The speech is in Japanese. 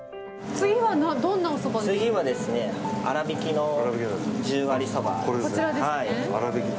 次は粗挽きの十割そば。